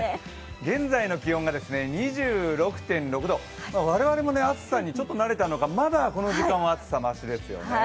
現在の気温が２６．６度我々も暑さにちょっと慣れたのか、まだ、この時間は暑さましですよね。